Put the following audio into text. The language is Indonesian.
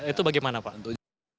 itu bagaimana pak